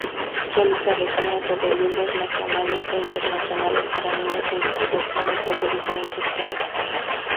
Realiza reseñas sobre libros nacionales e internacionales para niños e investigaciones sobre diferentes temas.